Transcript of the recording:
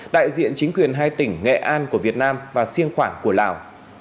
đại diện chính quyền hai tỉnh nghệ an của việt nam và siêng khoảng của lào